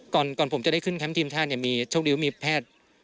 ก่อนผมจะได้ขึ้นแคมป์ทีมชาติเนี่ยมีโชคดีว่ามีแพทย์